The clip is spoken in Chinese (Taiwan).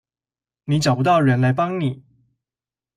你找不到人來幫你